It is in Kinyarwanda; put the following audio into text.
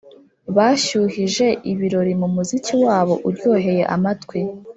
bashyuhije ibirori mu muziki wabo uryoheye amatwi.